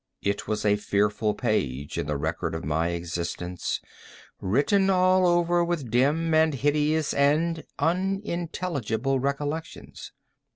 It was a fearful page in the record my existence, written all over with dim, and hideous, and unintelligible recollections.